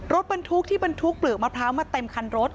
รถบรรทุกที่บรรทุกเปลือกมะพร้าวมาเต็มคันรถ